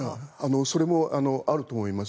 それもあると思います。